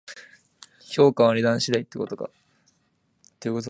評価は値段次第ってことか